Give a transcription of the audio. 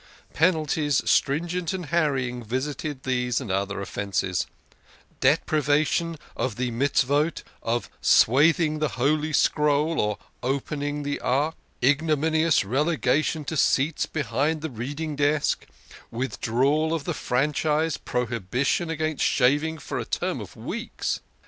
Penalties, stringent and harrying, visited these and other offences deprivation of the " good deeds," of swathing the Holy Scroll, or opening the Ark; ignominious relegation to seats behind the reading desk, withdrawal of the franchise, prohibition against shaving for a term of weeks